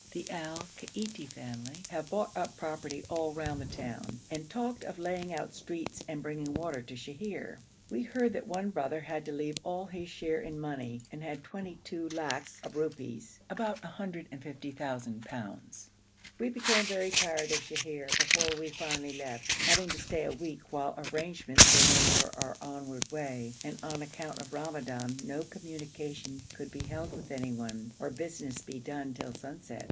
The Al Kaiti family have bought up property all round the town, and talked of laying out streets and bringing water to Sheher. We heard that one brother had to have all his share in money, and had twenty two lacs of rupees, about 150,000_l_. We became very tired of Sheher before we finally left, having to stay a week, while arrangements were made for our onward way, and on account of Ramadan no communications could be held with anyone, or business be done till sunset.